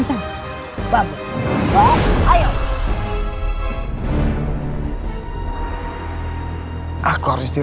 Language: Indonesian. tidak punya mustahil